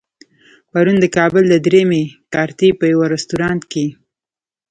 پرون د کابل د درېیمې کارتې په يوه رستورانت کې.